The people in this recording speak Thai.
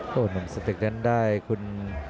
โอ้โหหนุ่มสตึกนั้นได้คุณ